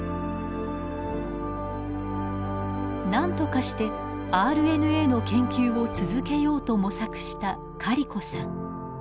何とかしてＲＮＡの研究を続けようと模索したカリコさん。